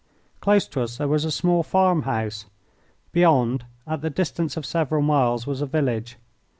Close to us there was a small farm house. Beyond, at the distance of several miles, was a village.